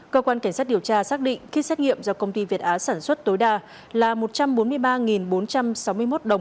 cơ quan cảnh sát điều tra xác định kit xét nghiệm do công ty việt á sản xuất tối đa là một trăm bốn mươi ba bốn trăm sáu mươi một đồng